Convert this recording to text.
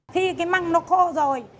khi cái măng nó khô rồi